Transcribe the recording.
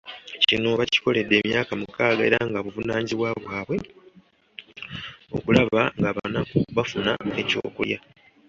Kino bakikoledde emyaka mukaaga era nga buvunaanyizibwa bwabwe okulaba ng’abanaku bafune ekyokulya .